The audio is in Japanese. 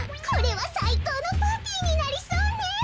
これはさいこうのパーティーになりそうね。